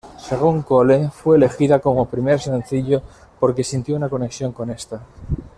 Según Cole fue elegida como primer sencillo por que sintió una conexión con esta.